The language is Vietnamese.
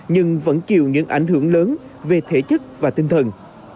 nhưng vẫn chịu những ảnh hưởng lớn về thể chất và tinh thần